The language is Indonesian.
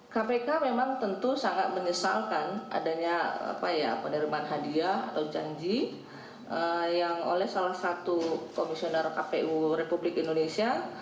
kpk memang tentu sangat menyesalkan adanya penerimaan hadiah atau janji yang oleh salah satu komisioner kpu republik indonesia